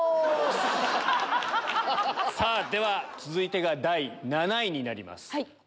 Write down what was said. では続いてが第７位になります。